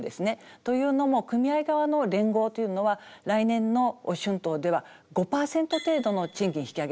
というのも組合側の連合というのは来年の春闘では５％程度の賃金引き上げ。